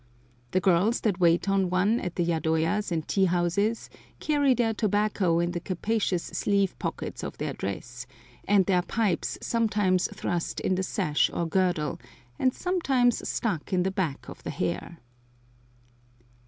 The girls that wait on one at the yadoyas and tea houses carry their tobacco in the capacious sleeve pockets of their dress, and their pipes sometimes thrust in the sash or girdle, and sometimes stuck in the back of the hair.